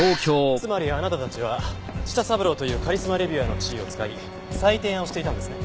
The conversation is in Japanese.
つまりあなたたちは舌三郎というカリスマ・レビュアーの地位を使い採点屋をしていたんですね？